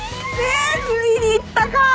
ついにいったか！